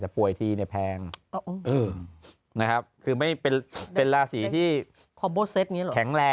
พี่ขายไหมรายการเรา